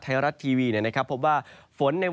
ก็จะมีการแผ่ลงมาแตะบ้างนะครับ